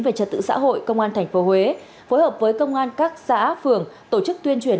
về trật tự xã hội công an tp huế phối hợp với công an các xã phường tổ chức tuyên truyền